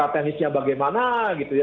teknisnya bagaimana gitu ya